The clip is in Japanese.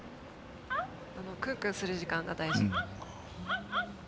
クンクンする時間が大事。